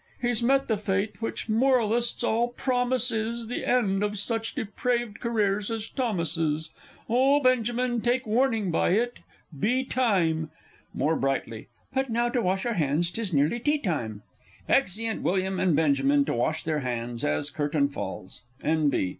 He's met the fate which moralists all promise is The end of such depraved careers as Thomas's! Oh, Benjamin, take warning by it be time! (More brightly). But now to wash our hands 'tis nearly tea time! [Exeunt WILLIAM and BENJAMIN, _to wash their hands, as Curtain falls. N.B.